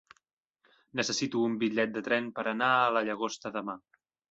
Necessito un bitllet de tren per anar a la Llagosta demà.